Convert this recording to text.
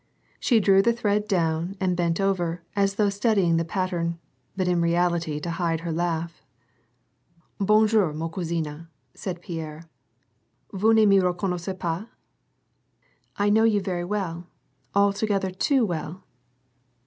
She drew the thread down and bent over, as though studying the pattern, but in reality to hide her laugh. " Bonjour, ma cotisine,^^ said Pierre. " Vous ne ine reconnais sez pas ?"" I know you very well, altogether too well."